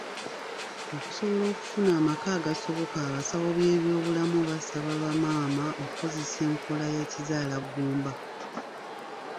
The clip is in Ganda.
Okusobola okufuna amaka agasoboka abasawo b'ebyobulamu baasaba bamaama okukozesa enkola ya kizaalagumba.